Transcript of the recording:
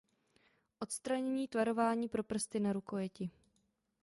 Odstranění tvarování pro prsty na rukojeti.